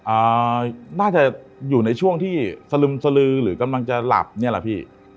อ่าน่าจะอยู่ในช่วงที่สลึมสลือหรือกำลังจะหลับเนี่ยแหละพี่